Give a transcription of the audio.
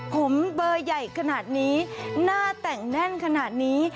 ผมเบอร์ใหญ่ขนาดนี้หน้าแต่งแน่นขนาดนี้